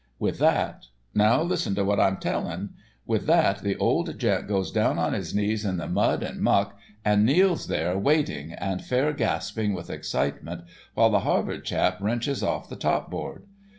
With that—now listen to what I'm telling—with that the old gent goes down on his knees in the mud and muck, and kneels there waiting and fair gasping with excitement while the Harvard chap wrenches off the topboard.